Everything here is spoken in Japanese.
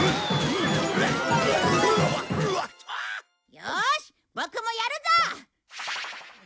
よしボクもやるぞ！